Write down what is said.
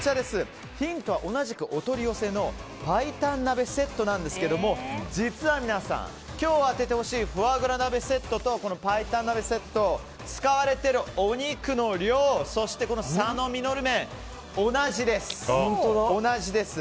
ヒントは同じくお取り寄せの白湯鍋セットなんですが実は、今日当ててほしいフォアグラ鍋セットとこの白湯鍋セット使われているお肉の量そして佐野実麺、同じです。